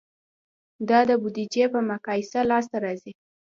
دا د بودیجې په مقایسه لاسته راځي.